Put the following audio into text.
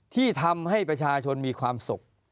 ที่ทำให้ประชาชนมีความสุข